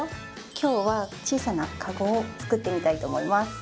今日は小さなかごを作ってみたいと思います。